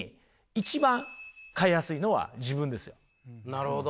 なるほど。